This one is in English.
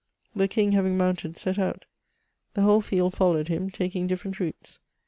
The King having mounted, set out; the whole field followed him, taking different routes.